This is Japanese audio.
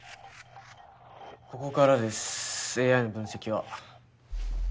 ここからですＡＩの分析は。